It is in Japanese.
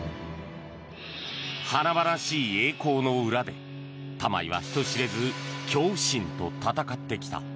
華々しい栄光の裏で、玉井は人知れず恐怖心と闘ってきた。